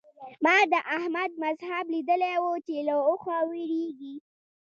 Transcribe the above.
ما د احمد مذهب ليدلی وو چې له اوخه وېرېږي.